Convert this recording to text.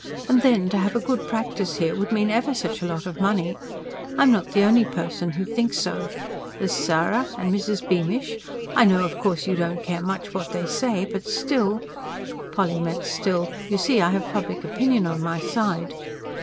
And then to have a good practice here would mean ever such a lot of money. I'm not the only person who thinks so. There's Sara, and Mrs. Beamish I know, of course, you don't care much what they say; but still " Polly meant: still, you see, I have public opinion on my side.